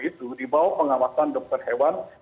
itu dibawah pengawasan dokter hewan